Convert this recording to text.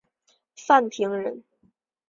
范平人。